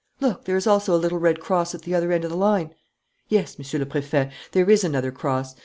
Look, there is also a little red cross at the other end of the line." "Yes, Monsieur le Préfet, there is another cross.